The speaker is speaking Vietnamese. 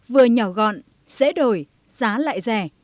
vừa nhỏ gọn dễ đổi giá lại rẻ